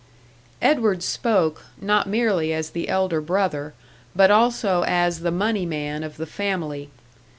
Edward spoke, not merely as the elder brother, but also as the money man of the family.